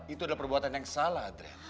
itu adalah perbuatan yang salah adrian